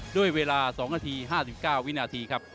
ด้วยเวลา๒นาที๕๙วินาทีครับ